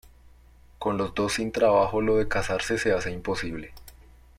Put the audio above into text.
Con los dos sin trabajo lo de casarse se hace imposible.